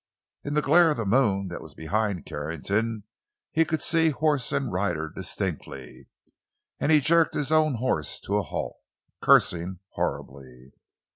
In the glare of the moon that was behind Carrington, he could see horse and rider distinctly, and he jerked his own horse to a halt, cursing horribly.